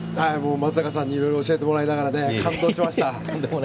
松坂さんにいろいろ教えてもらいながら完投しました。